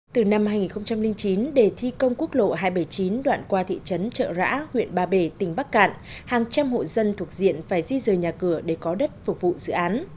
từ năm hai nghìn chín để thi công quốc lộ hai trăm bảy mươi chín đoạn qua thị trấn trợ rã huyện ba bể tỉnh bắc cạn hàng trăm hộ dân thuộc diện phải di rời nhà cửa để có đất phục vụ dự án